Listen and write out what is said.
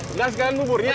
jelas kan buburnya